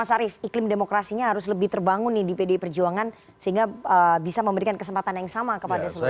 mas arief iklim demokrasinya harus lebih terbangun nih di pdi perjuangan sehingga bisa memberikan kesempatan yang sama kepada semua